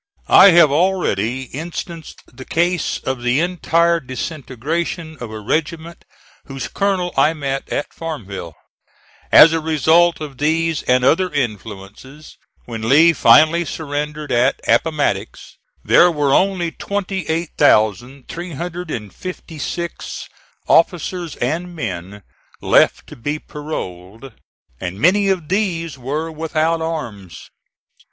I have already instanced the case of the entire disintegration of a regiment whose colonel I met at Farmville. As a result of these and other influences, when Lee finally surrendered at Appomattox, there were only 28,356 officers and men left to be paroled, and many of these were without arms.